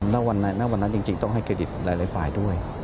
ณวันนั้นจริงต้องให้เครดิตหลายฝ่ายด้วย